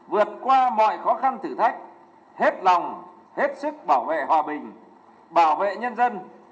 và khăn thử thách hết lòng hết sức bảo vệ hòa bình bảo vệ nhân dân